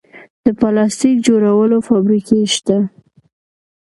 د پلاستیک جوړولو فابریکې شته